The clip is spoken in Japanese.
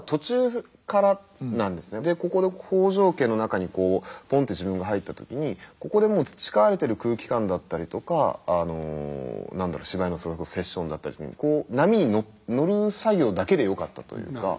ここで北条家の中にぽんって自分が入った時にここでもう培われてる空気感だったりとか何だろう芝居のそれこそセッションだったり波に乗る作業だけでよかったというか。